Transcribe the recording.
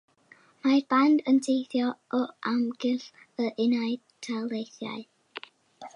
Mae'r band yn teithio o amgylch yr Unol Daleithiau.